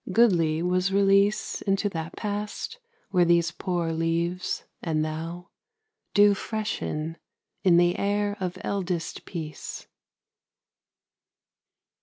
Goodly was release Into that Past where these poor leaves, and thou, Do freshen in the air of eldest peace.